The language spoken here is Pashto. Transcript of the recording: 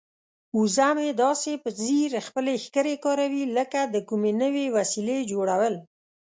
وزه مې داسې په ځیر خپلې ښکرې کاروي لکه د کومې نوې وسیلې جوړول.